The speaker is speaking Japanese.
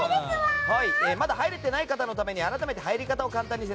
まだ入れていない方のために改めて入り方です。